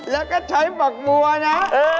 แล้วก็ใช้หมักมัวนะ